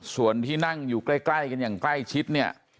ส่วนที่นั่งอยู่ใกล้กันอย่างใกล้ชิดเนี่ย